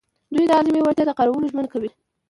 دوی د اعظمي وړتیا د کارولو ژمنه کوي.